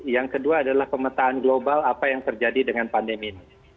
yang kedua adalah pemetaan global apa yang terjadi dengan pandemi ini